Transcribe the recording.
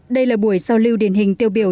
đây là buổi giao lưu điển hình tiêu biểu